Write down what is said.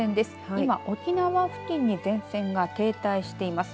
今、沖縄付近に前線が停滞しています。